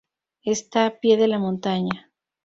Está a pie de la montaña.